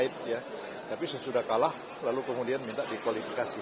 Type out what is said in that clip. tapi sesudah kalah lalu kemudian minta dikualifikasi